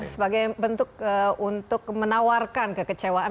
sebagai bentuk untuk menawarkan kekecewaan